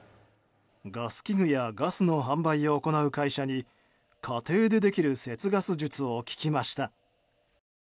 ガス器具やガスの販売を行う会社に家庭でできる節ガス術を聞きました。